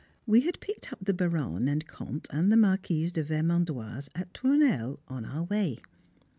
We had picked up the Baronne and the Comte and the Marquise de Vermandoise at Tournelle on our way.